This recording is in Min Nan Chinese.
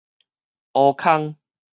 烏空